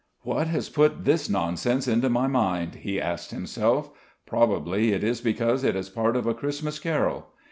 "What has put this nonsense into my mind?" he asked himself. "Probably it is because it is part of a Christmas carol....